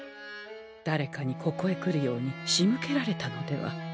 だれかにここへ来るように仕向けられたのでは？